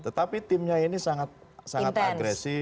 tetapi timnya ini sangat agresif